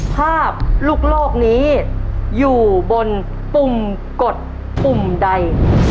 ภาพลูกโลกนี้อยู่บนปุ่มกดปุ่มใด